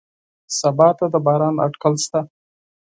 سبا ته د باران اټکل شته